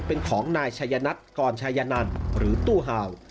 เป็นของนายชายนัทกรชายนันหรือตู้ห่าว